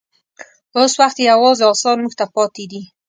اوس وخت یې یوازې اثار موږ ته پاتې دي.